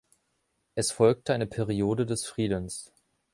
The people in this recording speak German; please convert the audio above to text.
Es folgte eine Periode des Friedens.